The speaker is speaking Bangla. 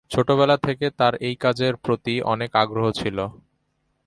ছোটবেলা থেকে তার এই কাজের প্রতি অনেক আগ্রহ ছিল।